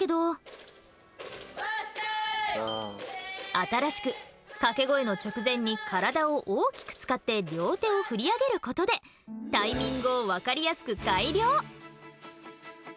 新しく掛け声の直前に体を大きく使って両手を振り上げることでタイミングを分かりやすく改良！